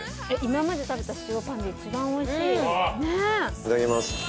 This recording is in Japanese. いただきます。